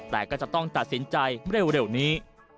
แต่ก็จะต้องตัดสินใจเร็วนี้